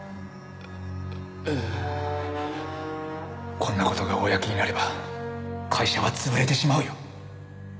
こんな事が公になれば会社は潰れてしまうよ。